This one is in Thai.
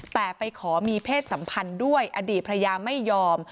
แต่ไปขอมีเพศสัมพันธ์ด้วยอดีตภรรยาไม่ยอม